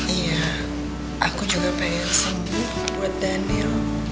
iya aku juga pengen sembuh buat daniel